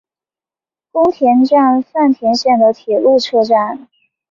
宫田站饭田线的铁路车站。